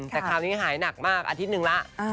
แต่คราวนี้หายหนักมากอาทิตย์หนึ่งแล้ว